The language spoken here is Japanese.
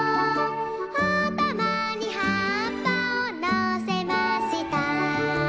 「あたまにはっぱをのせました」